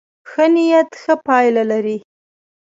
ښه نيت ښه پایله لري.